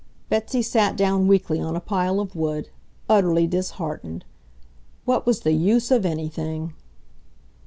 Betsy sat down weakly on a pile of wood, utterly disheartened. What was the use of anything!